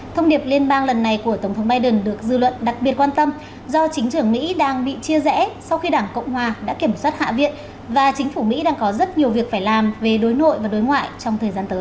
thông điệp liên bang lần này của tổng thống biden được dư luận đặc biệt quan tâm do chính trưởng mỹ đang bị chia rẽ sau khi đảng cộng hòa đã kiểm soát hạ viện và chính phủ mỹ đang có rất nhiều việc phải làm về đối nội và đối ngoại trong thời gian tới